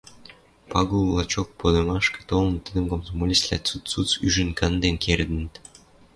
Пагул, лачок, погынымашкы толын, тӹдӹм комсомолецвлӓ цуц-цуц ӱжӹн канден кердӹнӹт.